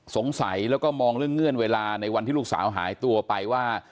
สงสัยแล้วก็มองเรื่องเงื่อนเวลาในวันที่ลูกสาวหายตัวไปว่า